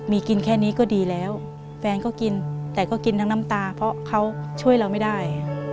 มีกินแค่นี้ก็ดีแล้วแฟนก็กินแต่ก็กินทั้งน้ำตาเพราะเขาช่วยเราไม่ได้